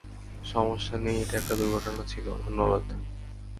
সমস্যা নেই, এটা একটা দুর্ঘটনা ছিল, ধন্যবাদ।